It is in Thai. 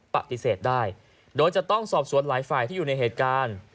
ปฏิเสธได้โดยจะต้องสอบสวนหลายฝ่ายที่อยู่ในเหตุการณ์